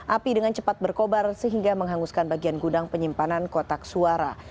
api dengan cepat berkobar sehingga menghanguskan bagian gudang penyimpanan kotak suara